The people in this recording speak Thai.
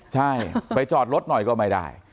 ใช่ไปจอดรถหน่อยก็ไม่ได้